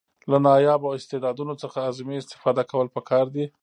له نایابه استعدادونو څخه اعظمي استفاده کول پکار دي.